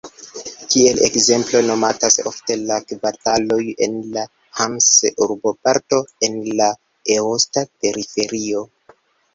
Kiel ekzemplo nomatas ofte la kvartaloj en la Hanse-urboparto en la eosta periferio.